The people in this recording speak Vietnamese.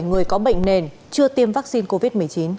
người có bệnh nền chưa tiêm vaccine covid một mươi chín